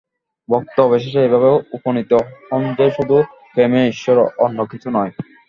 ভক্ত অবশেষে এইভাবে উপনীত হন যে, শুধু প্রেমই ঈশ্বর, অন্য কিছু নয়।